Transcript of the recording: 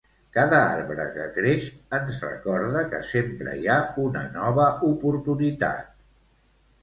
Cada arbre que creix ens recorda que sempre hi ha una nova oportunitat.